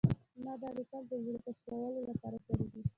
ما دا لیکل د زړه تشولو لپاره کړي دي